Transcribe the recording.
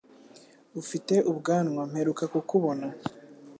Ufite ubwanwa mperuka kukubona.